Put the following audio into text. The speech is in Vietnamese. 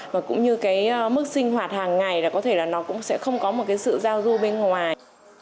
và cũng như cái mức sinh hoạt hàng ngày là có thể là nó cũng sẽ không có một cái sự giao du bên ngoài